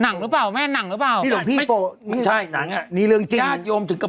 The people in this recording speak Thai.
หนังหรือเปล่าแม่หนังหรือเปล่าไม่ใช่หนังน่ะนี่เรื่องจริงยาดโยมถึงก็